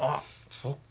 そっか。